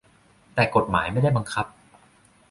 แต่กฎหมายไม่ได้บังคับ